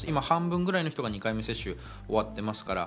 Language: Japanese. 今、半分くらいの人が２回目終わっています。